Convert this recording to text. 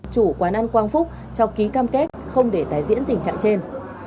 chủ quán ăn quang phúc cho ký cam kết không để tái diễn tình trạng trên